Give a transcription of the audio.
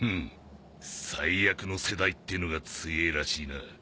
最悪の世代ってのが強えらしいな。